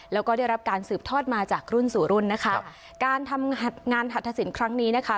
แล้วก็ได้รับการสืบทอดมาจากรุ่นสู่รุ่นนะคะการทำงานหัตถสินครั้งนี้นะคะ